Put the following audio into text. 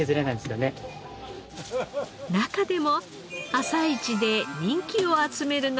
中でも朝市で人気を集めるのがこちら。